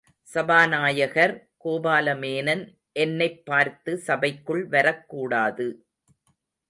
சபாநாயகர் கோபாலமேனன் என்னைப் பார்த்து சபைக்குள் வரக் கூடாது.